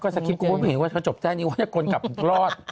สภิพธิ์ก็ไม่เห็นว่าจะจบแท่นี่ว่าจะก้นกลับรอด